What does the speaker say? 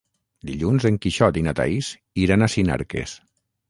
Dilluns en Quixot i na Thaís iran a Sinarques.